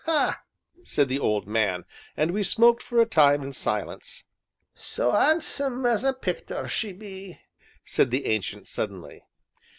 "Ha!" said the old man, and we smoked for a time in silence. "So 'andsome as a picter she be!" said the Ancient suddenly.